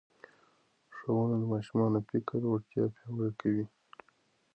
ښوونه د ماشوم فکري وړتیا پياوړې کوي.